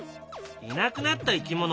いなくなった生き物